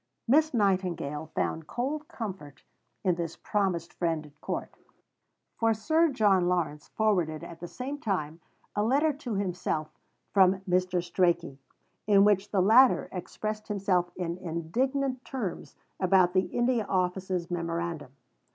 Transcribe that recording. Miss Nightingale found cold comfort in this promised friend at court, for Sir John Lawrence forwarded at the same time a letter to himself from Mr. Strachey, in which the latter expressed himself in indignant terms about the India Office's memorandum.